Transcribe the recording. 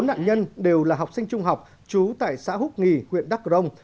bốn nạn nhân đều là học sinh trung học chú tại xã húc nghì huyện đắk rông